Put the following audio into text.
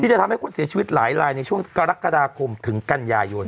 จะทำให้คนเสียชีวิตหลายลายในช่วงกรกฎาคมถึงกันยายน